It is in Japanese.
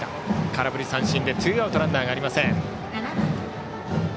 空振り三振でツーアウトランナーありません。